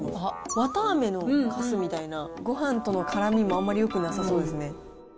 わたあめのかすみたいな、ごはんとのからみもあんまりよくなさそうですね。